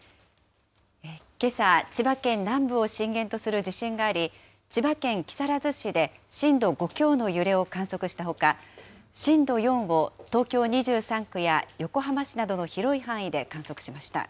けさ、千葉県南部を震源とする地震があり、千葉県木更津市で震度５強の揺れを観測したほか、震度４を東京２３区や横浜市などの広い範囲で観測しました。